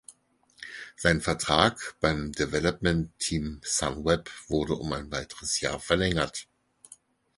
Sein Vertrag beim Development Team Sunweb wurde um ein weiteres Jahr verlängert.